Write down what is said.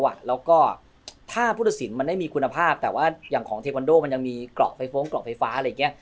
แล้วก็ถ้าผู้ตัดสินมันได้มีคุณภาพแต่ว่าอย่างของเทควันโดมันยังมีเกราะไฟฟ้องเกราะไฟฟ้าอะไรอย่างนี้